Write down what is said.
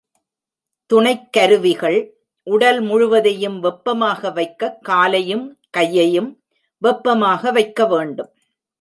துணைக் கருவிகள் உடல் முழுவதையும் வெப்பமாக வைக்கக் காலையும், கையையும் வெப்பமாக வைக்கவேண்டும்.